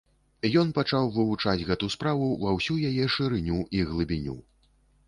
Ён пачаў вывучаць гэту справу ва ўсю яе шырыню і глыбіню.